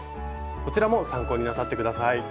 こちらも参考になさって下さい。